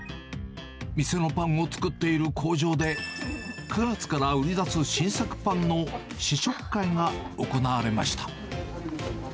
店のパンを作っている工場で、９月から売り出す新作パンの試食会が行われました。